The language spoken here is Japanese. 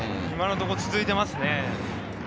今のところ続いてますね。